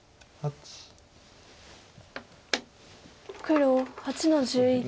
黒８の十一。